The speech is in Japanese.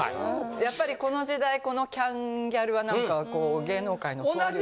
やっぱりこの時代このキャンギャルは何かこう芸能界の登竜門。